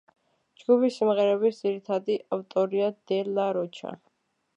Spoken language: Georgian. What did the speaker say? ჯგუფის სიმღერების ძირითადი ავტორია დე ლა როჩა.